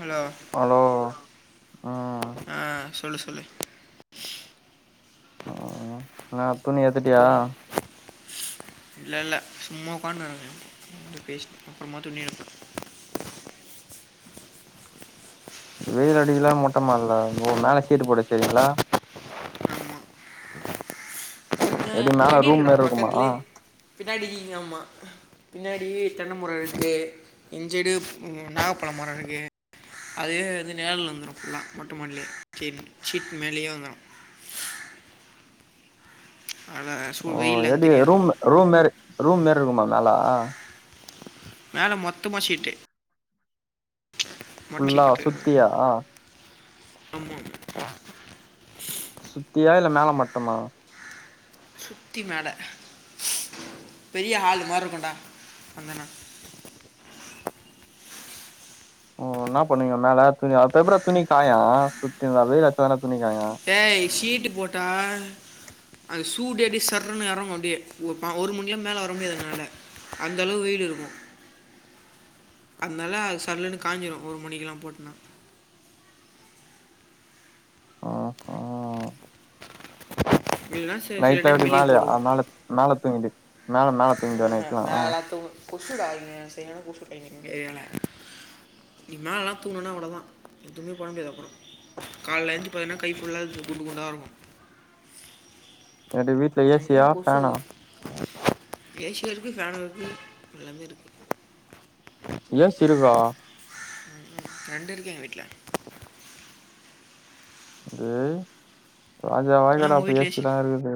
hello hello ஆ சொல்லு சொல்லு ம் என்னா துணி எத்துட்டியா இல்ல இல்ல சும்மா உக்கான்னுருக்க பேசிட்டு அப்பறமா துணி எடுப்ப வெயில் அடிகல்ல மொட்டமாட்ல ஓ மேல சீட்டு போட்டு வச்சிரிகீங்களா ஆமாம் எப்டி மேல செடி ரூம் இருக்குடா மாரி இருக்குமா பக்கத்துலே பின்னாடி இங்க ஆமா பின்னாடி தென்மரோ இருக்கு இஞ் சைடு நாகப்பழோ மரோ இருக்கு அதே வந்து நெழல் வந்துடு ஃபுல்லா மொட்டம்மாடில்லே செடி சீட் மேலேயு வந்துடு அதா ஓ சூழ் வெயில்லா எப்டி தெரியாது ரூம் அவ்ளோவா ரூம் மேரி ரூம் மேரி இருக்குமா நலா மேல மொத்தமா சீட்டு ஃபுல்லா சுத்தியா ஆமா சுத்தியா இல்ல மேல மட்டமாவா சுத்தி மேல பெரிய ஹாலு மாரி இருக்கோடா வந்தண்ணா ஓ இன்னா பண்ணுவீங்க மேல துணி அப்போ எப்ரோ துணி காயோ சுத்தி இங்க வெயில் அச்சா தானே துணி காயோ டேய் ஷீட்டு போட்டா அது சூடு எப்டியே சர்ருனு எறங்கோ அப்டியே ஒரு ஒரு மணிலா மேல வர முடியாது என்னால அந்த அளவுக்கு வெயில் இருக்கோ அத்னால அது சல்லுன்னு காஞ்சிரோ ஒரு மணிக்குலா போட்னா ஆ ஹா இல்லைன்னா சில சில நைட்ல டைம் எப்டி வெளியே மேலயா போடுவோம் அம் மேல மேல தூங்கி மேல மேல தூங்கிடுவியா ம் ஹு நைட்லா மேல தூங் கொசுடா இங்க சரியான கொசுடா இங்கேயோமே இதுக்மேலலா தூங்ணோனா அவ்ளோதா எதுவுமே பண்ண முடியாது அப்புறோ காலைல எந்ச்சி பாத்தோம்னா கை ஃபுல்லா குண்டு குண்டா இருக்கோ என்ட வீட்ல ஏ சியா ஃபேனா ஏ சியோ இருக்கு ஃபேனோ இருக்கு எல்லாமே இருக்கு கேஸ் இருக்கா ம் ரெண்டு இருக்கு எங்க வீட்ல டேய் ராஜ வாழ்க்கடா உங்கள் அப்ப ஏ வீட்டில் ஏசி சிலா இருக்குது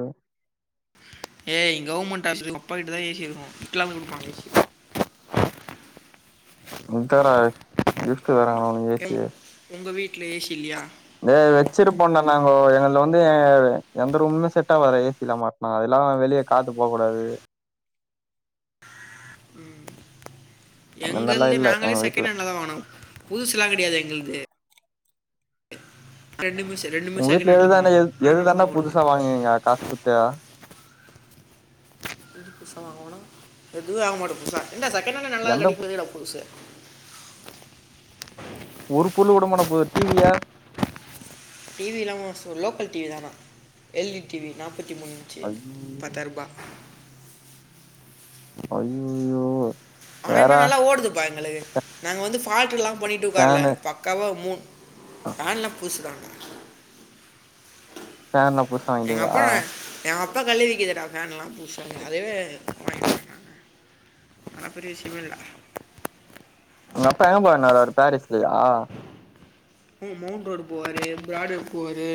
ஏய் கவர்மெண்ட் ஆபீஸ்ல போய்ட்டுதா ஏ சி இருக்கோ துட்லா குடுப்பாங்க [unintelligible] கிஃப்ட்டு தரங்கலா உனுக் கிம் உங்க வீட்ல ஏ சி இல்லயா இது வெச்சிருப்போ டா நாங்கோ எங்கள்து வந்து எந்த ரூமுமே செட்டாவாதே ஏ சி இல்லாம ஆ அதெல்லா வெளியே காத்து போக கூடாது ம் அந்த மாரிலா எங்கள்தே இல்ல நாங்களே எங்க வீட்ல செகேணட்லதா வாங்கனோ புதுசலா கெடையாது எங்குள்து ரெண்டு மிஷின் உங்க வீட்ல எதுதான்டா எது எதுதான்டா ஓடுது புதுசா வாங்குவீங்க காசு குத்தே எதுக்கு புதுசா வாங்கணோ எதுவுமே வாங்க மாட்டோ புதுசா ஏண்டா செகேணட்ல நல்லா எந்த கெடைக்கு போது ஏன்டா புதுசு ஒரு பொர்ளு வுடமாட்ட போது டி விய டி வி இல்லாம சொ லோக்கல் டி வி தானா எல் டி டி வி நாபத்தி மூணு இன்ச்சு ஐயோ பத்தாயருபா அய்யோ ஆனா இன்னோ நல்லா ஓடுதுப்பா எங்குளுக்கு நாங்க வந்து ஃபால்ட்டுலா பண்ணிட்டு ஒக்கார்ல ஃபேனு பக்காவ மூன் ஃபேன்லா புதுசுதா ஃபேன பூசு எங்க அப்பா எங்க அப்பா கட்ல விக்கதுடா ஃபேன் எல்லா புதுசாங்க அதுவே வாங்கி அதலா பெரிய விஷயமே இல்ல உங்க அப்பா எங்க போய் வாங்கினு வருவாறு பாரீஸ்லயா ஏ மௌண்ட் ரோடு போவாரு பிராட்வே போவாரு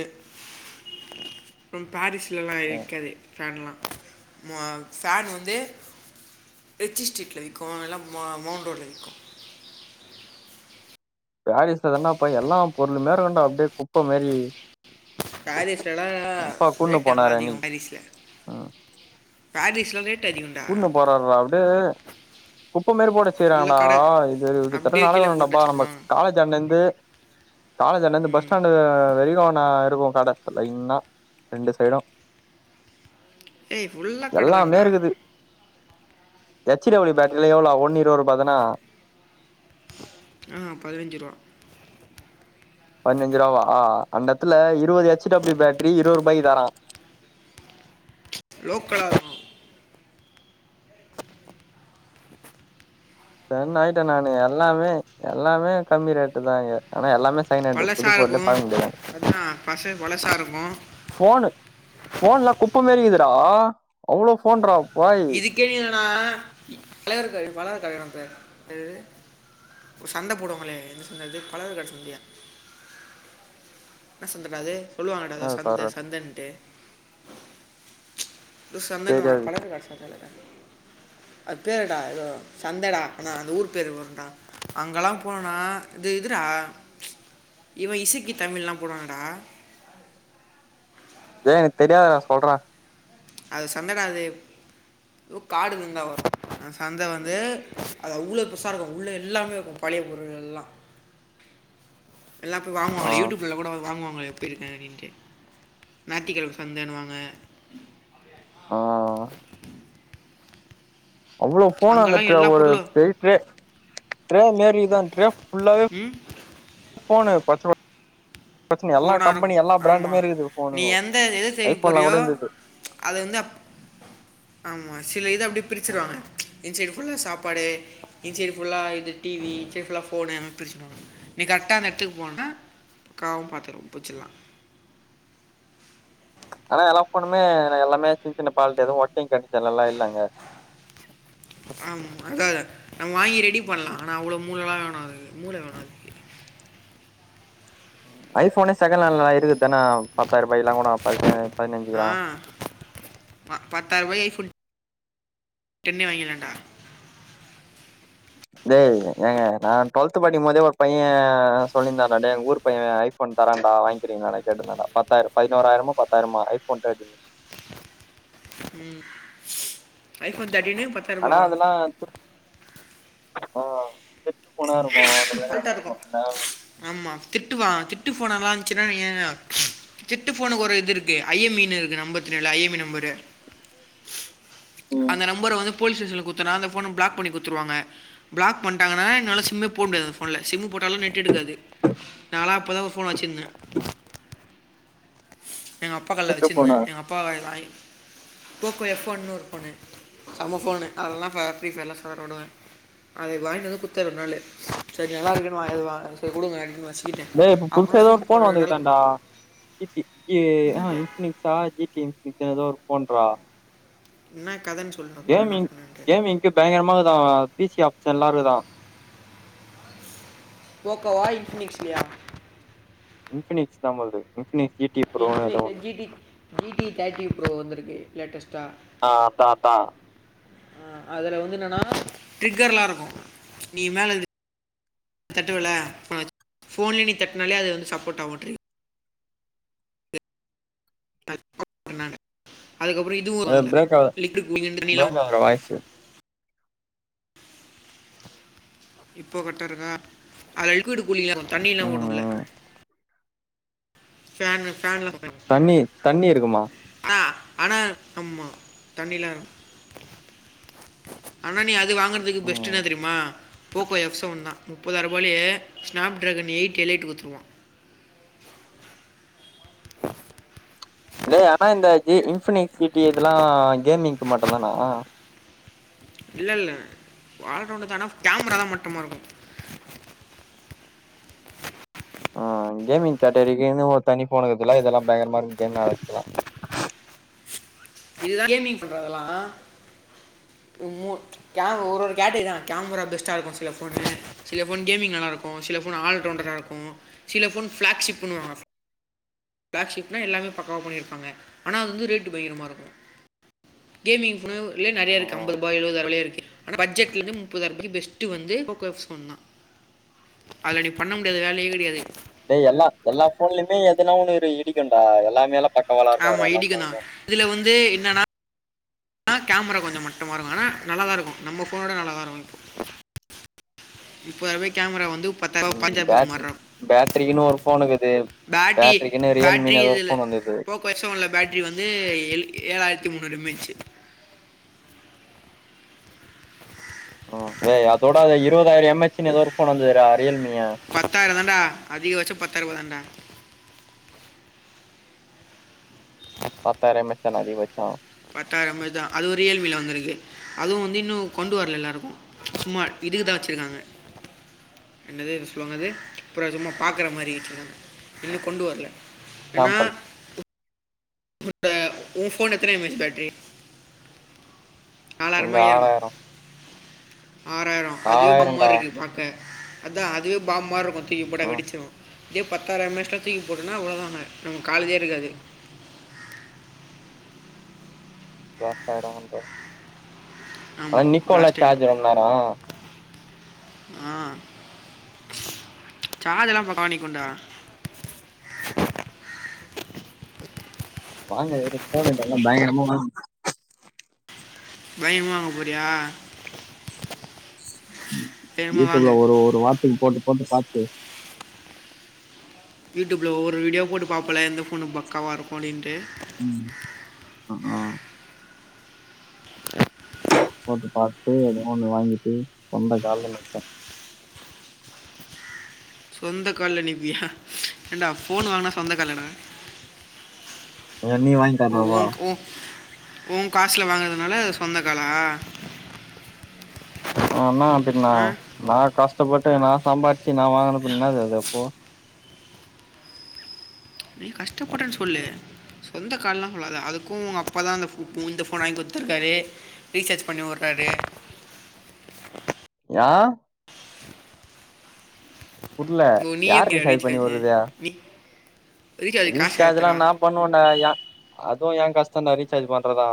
அப்புறம் பாரீஸ்லலா இருக்காது ஃபேன்லா ம ஃபேன் வந்து ரிச்சி ஸ்ட்ரீட்ல விக்கோ இல்ல மவுண்ட் ரோட்ல விக்கோ பாரீஸ்ல தான்டாப்பா எல்லா பொருளுமே இருக்கோண்டா அப்டியே குப்ப மேரி பாரீஸ்லலா கூட்னு ரேட்டு போனாரு அங்கலா அதிகோ அன்னிக்கி பாரீஸ்ல பாரீஸ்ல ரேட்டு கூட்ணு போறாருறா அப்டியே குப்ப மேறு போட்டு ஃபுல்லாக வெச்சுறாங்கடா கடை இது அப்படியே கிட்டதட்ட கீழே போட்டு நடக்கணோடாப்பா நம்ம வச்சுருப்பாங்க காலேஜாண்ட இர்ந்து காலேஜான்டந்து பஸ் ம் ஸ்டாண்டு அ வெரிகோ நா இருக்கோ கட லைன்னா ரெண்டு சைடோ ஏய் ஃபுல்லா கட தாண்டா எச்சு டபிள்யூ பேட்ரி எவ்ளோ ஒன்னு இருவரூபா தான ம் பதினஞ்சு ரூவா பதினஞ்சு ரூவாவா அந்த எத்துல இருவது எச்சு டபிள்யூ பேட்ரி இருவது ரூபாய்க்கு தராங்க லோக்கலா ஸ்டன் ஆயிட்ட நானு எல்லாமே எல்லாமே கம்மி ரேட்டுதா இங்க ஆனா எல்லாமே செகண்ட் ஹேண்டு புது பழசா பொருளே இருக்கு பாக்க முடியாது அங்க மச்சா பஸேர் பழசா இருக்கு ஃபோனு ஃபோன்லா குப்ப மேரி இருக்குடா அவ்ளோ ஃபோன்றா பாய் இதுக்கே நீ என்னன்னா தலைவர் [unintelligible] கல்யாணத்துல எது ஒரு சந்த போடுவங்களே என்ன சந்த அது பழவர் கட சந்தயா என்ன சந்தடா அது சொல்லுவாங்கடா எதோ என்னது பாருடா சந்த சந்தன்ட்டு எதோ சரி சந்தன்னுவாங்க அது பழவர் கட சந்த இல்லடா அது பேருடா ஏதோ சந்தடா ஆனா அந்த ஊரு பேரு வரும்டா அங்கெல்லா போனன்னா இது இதுடா இவ இசிக்கி தமிழ்லா போறான்லடா டே எனக்கு தெரியாதுடா சொல்றா அது சந்தடா அது எதோ காடு இருந்தா ஒரு அந்த சந்த வந்து அது அவ்ளோ பெருசா இருக்கு உள்ள எல்லாமே இருக்கு பழைய பொருள் எல்லா எல்லா போய் ஆ வாங்குவாங்க யூடியூப்ல் கூட வாங்குவாங்களே [unintelligible] அப்டின்ட்டு ஞாயித்துக்கெழம சந்தன்னுவாங்க ஆ ஆ அவ்ளோ ஃபோன் அந்த அங்கெல்லாம் எட்த்துல எல்லா ஒரு பொருளும் எயிட் ட்ரே ட்ரே மேரிதா ட்ரே ஃபுல்லாவ ம் ஃபோனு பச்ச பிரச்சன எல்லா ஃபோனாக கம்பெனி இருக்கும் எல்லா பிராண்டுமே ஆமாம் இருக்குது ஃபோனு நீ ஐஃபோன்லா கூட இருந்துது அது வந்து அப் ஆமா சில இது அப்டியே பிரிச்சிருவாங்க இந் சைடு ஃபுல்லா சாப்பாடு இந் சைடு ஃபுல்லா இது டிவி இந் சைடு ஃபுல்லா ஃபோனு பிரிச்சுடுவாங்க நீ கரெட்டா அந்த எடத்துக்கு போனேன்னா காவு பாத்துரு பூச்சிட்லா ஆனா எல்லா ஃபோனுமே எல்லாமே சின் சின்ன ஃபால்ட்டு எதுவு ஒர்க்கி்ங் கண்டீஷன்லலா இல்ல அங்க ஆமா அதா நம்ம வாங்கி ரெடி பண்லா ஆனா அவ்ளோ மூளல்லா வேணு அதுக்கு மூள வேணு அதுக் ஐஃபோனே செகண்ட் ஹேண்ட்லலா இருக்கு தானே பத்தாயிரூபாய்லா கூட பத்து பதினஞ்சுக்குல்லா ம் பத்தாயிரூபாய்க்கு ஐ ஃபோன் டென்னே வாங்கிட்லாண்டா டேய் ஏங்க நா டுவெல்த்து படிக்கும் போதே ஒரு பைய சொல்லிருந்தானே டே எங்க ஊர் பையன ஐ ஃபோன் தரண்டா வாங்கிக்கிறீங்களா கேட்ருந்தா நா பத்தாயிர பதினோராயிரமோ பத்தாயிரமோ ஐ ஃபோன் தேர்ட்டி ம் ஐ ஃபோன் தேர்ட்டின்னு பத் ஆனா அதுல்லா ஆ கெட்டு போனா இருக்கு அந்த மாரி ஃபால்ட்டா எதனா இருக்கு என்ன ஆமா திருட்டுவா திட்டு ஃபோன்லா இருந்துச்சுன்னா நீ என்ன திர்ட்டு ஃபோனுக்கு ஒரு இது இருக்கு ஐ எம் ஈனு இருக்கு நம்பர் த்ரீல ஐ எம் ஈ நம்பரு ம் அந்த நம்பர வந்து போலீஸ் ஸ்டேஷன்ல குடுத்தேன்னா அந்த ஃபோன பிளாக் பண்ணி குடுத்துருவாங்க பிளாக் பண்ட்டாங்கன்னா னால சிம்மே போட முடியாது அந்த ஃபோன்ல சிம் போட்டாலு நெட்டு எடுக்காது நான்லா அப்பதா ஒரு ஃபோன் வச்சிருந்த எங்க அப்பா கட்ல கெட்டு வச்சுருந்த போனா எங்கள் அப்பா வாங்கி வாங்கி போகோ எஃப் ஃபோன்னுருக்கு ஒன்னு செம்ம ஃபோனு அதெல்லா ஃப ப்ரீ ஃபயர் எல்லா செதர விடுவாங்க அது வாங்கிட்டு வந்து கொத்துற நாள் சரி நல்லா இருக்கு வாங்க அது வாங்க சரி கொடுங்க அனுச்சன் டே இப்ப புதுசா எதோ ஒரு ஃபோன் வந்துருக்கான்டா இப்டி ஏ ஆ என்னது இன்ஃபுளுயன்சா ஜிப் கே இப்ப எதோ ஒர்க் பண்றா இன்ன கதனு சொல்ணு அப்பற என்னா பண்ணன்ட்டு எ பயங்கரமாக்குதா பி சி ஆப்ஷன்லா இருக்குதா போகோவா இன்ஃபிளின்ஸ்லையா இன்ஃபிளிக்ஸ் தா போலருக்கு இன்ஃபிளிக்ஸ் சி டி ப்ரோ எதோ ஒன்னு ஜீ டி தேர்ட்டி ப்ரோ வந்திருக்கு லேட்டஸ்ட்டா ஆ அதா அதா ஆ அதுல வந்து என்னனா ட்ரிக்கர்லா இருக்கு நீ மேலருந்து தட்டுவல அ ஃபோன்ல நீ தட்னாலே அது வந்து சப்போர்ட் ஆகு ட்ரிக் [inaudible] அதுக்கப்ற இதுவு இருக்கு அரர்துல லிக்குக்கு மேல தண்ணிலா வரு இப்ப வாய்சு இப்ப விட்டுடுங்க அதுல லிக்யூடு கூலிங்கா இருக்கு தண்ணில ம் ஓடுல்ல ம் ஃபேனு ஃபேன்ல ஒக்காருவாங்க தண்ணி தண்ணி இருக்குமா ஆ ஆனா ஆமா தண்ணிலா இருக் ஆனா நீ அது வாங்கற்த்துக்கு பெஸ்ட் என்ன ம் தெரியுமா போகோ எஃப் செவன்னா முப்பதாயிர்ரூபாலயே ஸ்நாப் டிராகன் எயட் எலைட் குடுத்துருவா டே ஆனா இந்த ஜி இன்பிளிக்ஸ் சி டி இதெல்லா கேமிங்க்கு மட்டுந்தானா இல்ல இல்ல ஆல்ரவுண்டுதா ஆனா கேமரா தா மட்டமா இருக்கு ஆ கேமிங் கேட்டகிரிக்குனு ஒரு தனி ஃபோன் இருக்குல இதெல்லா பயங்கரமா இருக்கு கேம் விளாட்றத்துக்குலா இதுதா கேமிங் ஃபோன்றா அதல்லா [unintelligible] கேம் ஒரு ஒரு கேட்டகிரி தா கேமரா பெஸ்ட்டா இருக்கு சில ஃபோனு சில ஃபோன் கேமிங் நல்ல இருக்கு சில ஃபோன் ஆல்ரவுண்டர இருக்கு சில ஃபோன் ஃபிளாக் ஷிப்புனுவாங்க ஃப்ளாக்ஷிப்னா எல்லாமே பக்காவா பண்ணிருப்பாங்க ஆனா அது வந்து ரேட்டு் பயங்கரமா இருக்கு கேமிங் ஃபோன்லே நெறையா இருக்கு ம் ஐம்பது ரூபாய்லருந்து ஆறுவதுலே இருக்கு ஆனா பட்ஜெட்லருந்து முப்பதாயிர ரூபாய்க்கு பெஸ்ட்டு வந்து போகோ எஃப் ஃபோன் தா அதுல நீ பண்ண முடியாத வேலையே கெடையாது டே எல்லா எல்லா ஃபோன்லயுமே எதுனா ஒன்னு இரு இடிக்குன்டா எல்லாமேலா பாக் ஆமா இடிக்குந்தா இதுல வந்து என்னனா ஆ கேமரா கொஞ்ச மட்டமா இருக்கு ஆனா நல்லாதா இருக்கு நம்ம ஃபோன விட நல்லதா இருக்கு முப்பதாயிரூவா கேமரா வந்து பத்தாயிரூவா பதினஞ்சாயிரூபாய்க்கி சுமாரா இருக் பேட்ரிக்குனு ஒரு ஃபோனுக்குது பேட்டரி பேட்ரிக்குனு ரியல்மினு எதோ ஒரு ஃபோன் வந்துருக்குது கொற்சு உள்ள பேட்டரி வந்து எழ் ஏழாயிரத்தி முன்னூறு இமேஜு ம் டேய் அதோட அது இருவதாயிர எம் ஹச் னு எதோ ஒரு ஃபோன் வந்ததுடா ரியல்மியா பத்தாயிரந்தான்டா அதிகவச்ச பத்தாயிரூபா தான்டா பத்தாயிர எம் எஸ் தானா அதிகபச்சோ பத்தாயிர எம் எஸ் தா அதுவு ரியல்மில வந்துருக்கு அதுவு வந்து இன்னு கொண்டு வர்ல எல்லாருக்கு சும்மா இதுக்குதா வச்சிருக்காங்க என்னது அது சொல்லுவங்க அது அப்றோ அது சும்மா பாக்குற மாரி வெச்சிருக்காங்க இன்னு கொண்டு வர்ல என்னா சாம்பிள் இப்ப ஒ ஃபோன் எத்தன இமேஜ் பேட்ரி நாலாயிரமா இந்த ஐயாயிரமா ஆறாயிரோ ஆறாயிர அதுவே பாம் ஆறாயிரண்டா மார்ருக்கு பாக்க அதா அதுவே பாம் மாரி இருக்கு தூக்கி போட்டா ம் வெடிச்சிடு இதுவே பத்தாயிரோ எம் எச் ல தூக்கி போட்டேனா அவ்ளோதாங்க நம்ம காலேஜே இருக்காது லாஸ்ட் டையடாகுன்ற ஆனா ஆமாம் நிக்குல பிளாஸ்ட் சார்ஜ் ஆகிடும் ரொம் நேரோ ஆ சார்ஜ் எல்லா பக்காவா நிக்குன்டா வாங்க ஏது போனுன்றாலு பயங்கரமோ தா பயங்கரமா வாங்க போறியா வேணுமா யூடியூப்ல வாங்க ஒரு ஒரு வாரத்துக்கு போட்டு போட்டு பாத்து யூடியூப்பில்ல ஒவ்வொரு வீடியோ போட்டு பாப்பல எந்த ஃபோனு பக்காவா இருக்கு அப்டின்ட்டு ம் அ அஹா போட்டு பாத்ட்டு எதனோ ஒண்ணு வாங்கிட்டு சொந்த கால்ல நிப்பே சொந்த கால்ல நிப்பியா ஏன்டா ஃபோன் வாங்கினா சொந்த கால்ல டா யாரு நீ வாங்‌ ஓ உ ஓ ஒ காசுல வாங்கதுனால சொந்த காலா ஆனா அப்டின்னா ஆ நா கஷ்டப்பட்டு நா சம்பாரிச்சு நா வாங்கின பின்னா என்னது அது அப்போ நீ கஷ்டப்பட்டேன்னு சொல்லு சொந்த கால்லா சொல்லாத அதுக்கு உங்க அப்பா தா அந்த புஃட் இந்த ஃபோன் வாங்கி குடுத்துருக்காரு ரீசார்ஜ் பண்ணி உடுறாரு யா புர்ல ஓ நீயே யாரு பண்ணியா ரீசார்ஜ் பண்ணி வுரது நீ காசு ரீசார்ஜ் ல ஏற்றுறா நா பண்ணுவ டா யா அதுவு எ கஷ்ட டா ரீசார்ஜ் பண்றதா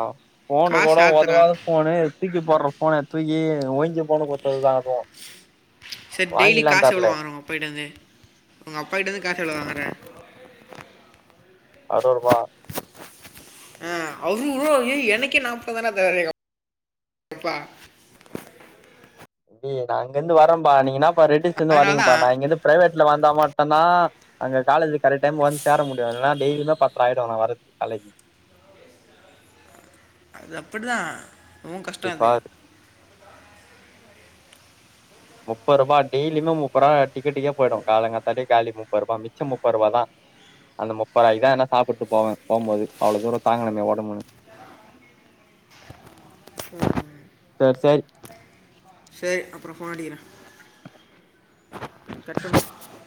ஃபோனு காசு கூட ஏற்றுறா உதவாத ஃபோனு தூக்கி போடுற ஃபோன தூக்கி ஓஞ்ச ஃபோனு குடுத்தது தா அதுவு வாங்கிலா தர்ல போயிடுது உங்க அப்பா கிட்ட இருந்து காசுலா வாங்குற அறுவரூவா ஆ அறுவரூவா ஏய் எனக்கே நாப்பது தா டா தராறு எங்க அப் அப்பா ஏ நா அங்க இருந்து வரே பா நீ என்ன பா ரெட்டிஸ் ல இருந்து அதனால வரீங்கப்பா தான் நா இங்க இருந்து பிரைவேட் ல வந்த மட்டு தா அங்க காலேஜ் கரெக்ட் டைம் வந்து சேர முடியு இல்லனா டெய்லியுமே பத்தர ஆயிடு நா வரது காலேஜ் அது அப்டி தா உ கஷ்டோ அப்டிப்பா அது முப்பது ரூபா டெய்லியுமே முப்ப ரூபா டிக்கட்டுக்கே போயிடு காலங்காத்தாலே காலி முப்ப ரூபா மிச்ச முப்ப ரூபா தா அந்த முப்பதைக்கு தா நா சாப்பிட்டு போவே போம்போது அவ்ளோ தூரோ தாங்கணுமே ஒடம்புனு சேர் சேரி சேரி அப்பறோ ஃபோன் அடிக்கிறே கட் பண்ணு